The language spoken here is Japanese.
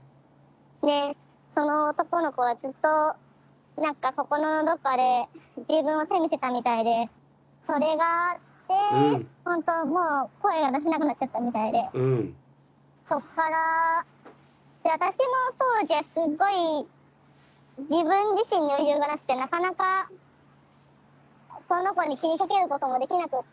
でその男の子はずっと何か心のどっかで自分を責めてたみたいでそれがあってほんともう声が出せなくなっちゃったみたいでそっからで私も当時はすっごい自分自身に余裕がなくてなかなかその子に気にかけることもできなくって。